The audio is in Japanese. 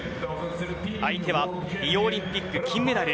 相手はリオオリンピック金メダル